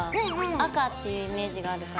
赤っていうイメージがあるから。